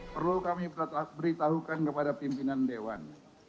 perlu kami beritahukan kepada pimpinan dewan